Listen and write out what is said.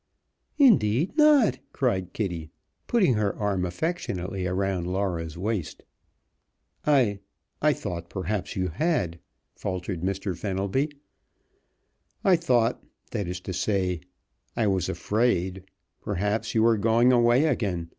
"Indeed not!" cried Kitty, putting her arm affectionately around Laura's waist. "I I thought perhaps you had," faltered Mr. Fenelby. "I thought that is to say I was afraid perhaps you were going away again.